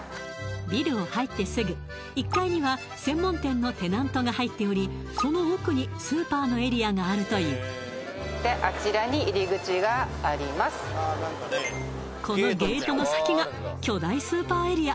ビルを入ってすぐ１階には専門店のテナントが入っておりその奥にスーパーのエリアがあるというこのゲートの先が巨大スーパーエリア